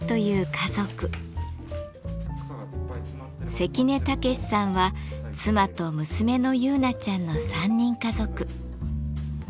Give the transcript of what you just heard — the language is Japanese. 関根毅さんは妻と娘の結菜ちゃんの３人家族。